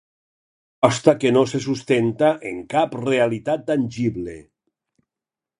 Aposta que no se sustenta en cap realitat tangible.